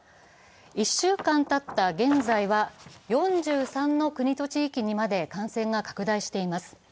１週間たった現在は４３の国と地域にまで感染が拡大しています。